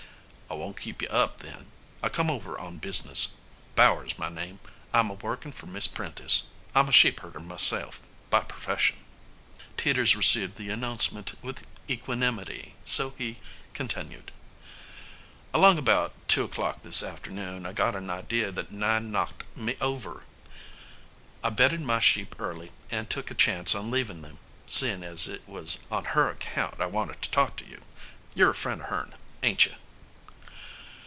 "I won't keep you up, then. I come over on business. Bowers's my name. I'm a workin' for Miss Prentice. I'm a sheepherder myself by perfession." Teeters received the announcement with equanimity, so he continued: "Along about two o'clock this afternoon I got an idea that nigh knocked me over. I bedded my sheep early and took a chance on leavin' them, seein' as it was on her account I wanted to talk to you. You're a friend of her'n, ain't you?"